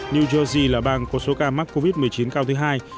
new jersey là bang có số ca mắc covid một mươi chín cao thứ hai